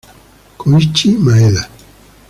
Koichi Maeda